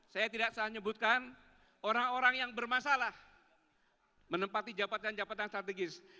saya tidak salah menyebutkan orang orang yang bermasalah menempati jabatan jabatan strategis